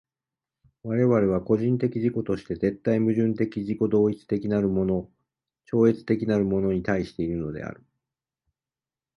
我々は個人的自己として絶対矛盾的自己同一的なるもの超越的なるものに対しているのである。